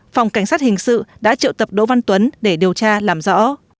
phòng cảnh sát hình sự đã triệu tập đỗ văn tuấn để điều tra làm rõ